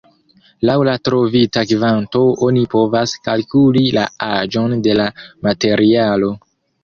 Laŭ la trovita kvanto oni povas kalkuli la aĝon de la materialo.